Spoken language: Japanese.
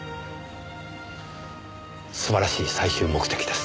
素晴らしい最終目的です。